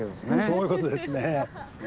そういうことですね。